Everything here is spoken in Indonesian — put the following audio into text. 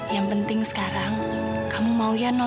yang penting sekarang kamu mau menikah dengan aku